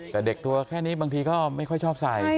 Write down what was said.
แต่เด็กตัวแค่นี้บางทีก็ไม่ค่อยชอบใส่